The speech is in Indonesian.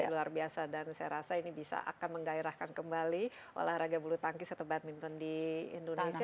luar biasa dan saya rasa ini bisa akan menggairahkan kembali olahraga bulu tangkis atau badminton di indonesia